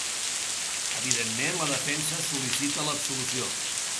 Evidentment, la defensa sol·licita l’absolució.